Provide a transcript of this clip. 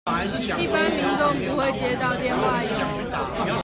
一般民眾不會接到電話唷